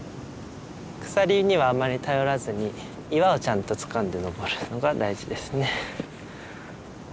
鎖にはあまり頼らずに岩をちゃんとつかんで登るのが大事ですね。